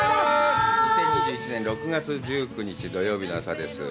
２０２１年６月１９日、土曜日の朝です。